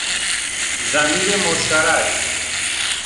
ضمیر مشترک